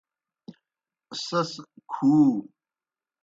سیْس کُھو۔